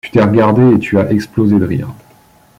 tu t'es regardé et tu as explosé de rire